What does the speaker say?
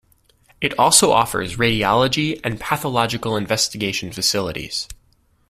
It also offers radiology and pathological investigation facilities.